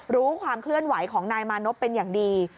รู้ความเคลื่อนไหวของนายมานพเป็นอย่างดี